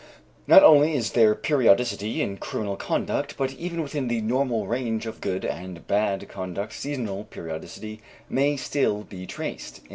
Not only is there periodicity in criminal conduct, but even within the normal range of good and bad conduct seasonal periodicity may still be traced.